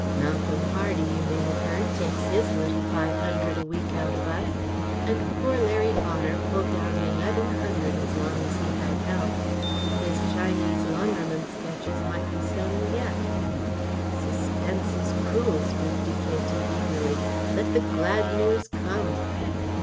Malcomb Hardy, you may have heard, takes his little five hundred a week out of us; and poor Larry Bonner pulled down eleven hundred as long as he had health. His Chinese laundryman sketches might be selling yet." "Suspense is cruel," spoke D.K.T. eagerly. "Let the glad news come."